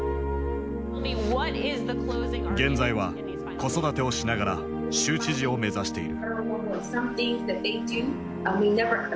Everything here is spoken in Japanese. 現在は子育てをしながら州知事を目指している。